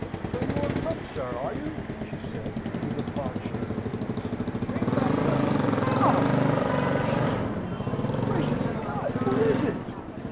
"So you are come, sir, are you?" she said, with a fond shaking voice. "Bring back the Ah!" here she screamed, "Gracious God, who is it?"